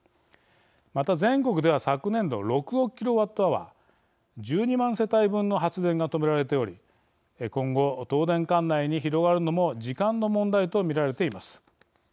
また全国では、昨年度６億ｋＷｈ１２万世帯分の発電が止められており今後、東電管内に広がるのも時間の問題と見られています。